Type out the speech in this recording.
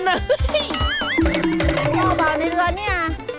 หม้อบ่าในเรือนนี่